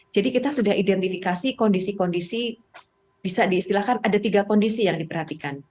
jadi kita sudah identifikasi kondisi kondisi bisa diistilahkan ada tiga kondisi yang diperhatikan